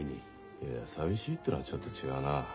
いや寂しいってのはちょっと違うな。